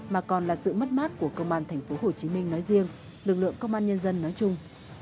mà còn là sự mất mát của công an tp hcm nói riêng lực lượng công an nhân dân nói chung